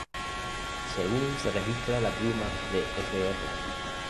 Según se registra la pluma de Fr.